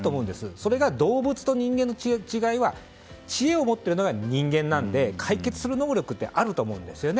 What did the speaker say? それが動物と人間の違いは知恵を持っているのが人間なので解決する能力ってあると思うんですよね。